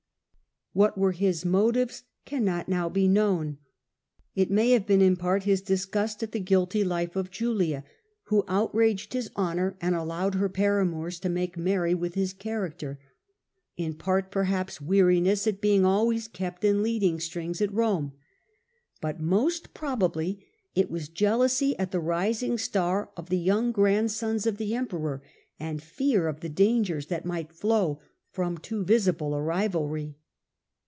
What were his motives cannot now be known. It may have been in part his dis 4 4 The Earlier Empire. A.D. 14 37. where ho lives auietl; thougn witi occasional show of power. gust at the guilty life of Julia, who outraged his honour and allowed her paramours to make merry with his character ; in part perhaps weariness at being always kept in leading strings at Rome ; but most probably it was jealousy at the rising star of the young grandsons of the Emperor, and fear of the dangers that might flow from too visible a rivalry.